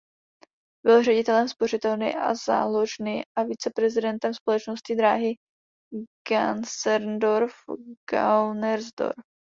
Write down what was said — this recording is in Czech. Byl ředitelem spořitelny a záložny a viceprezidentem společnosti dráhy Gänserndorf–Gaunersdorf.